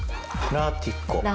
ラーティッコ。